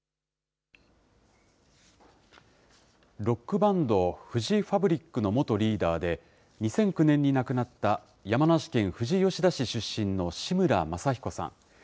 ロックバンド、フジファブリックの元リーダーで、２００９年に亡くなった山梨県富士吉田市出身の志村正彦さん。